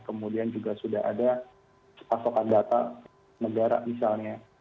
kemudian juga sudah ada pasokan data negara misalnya